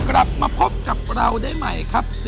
กลับมาพบกับเราได้ใหม่ครับ